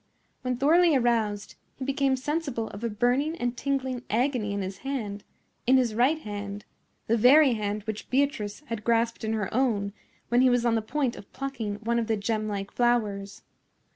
When thoroughly aroused, he became sensible of a burning and tingling agony in his hand—in his right hand—the very hand which Beatrice had grasped in her own when he was on the point of plucking one of the gemlike flowers.